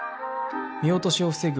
見落としを防ぐ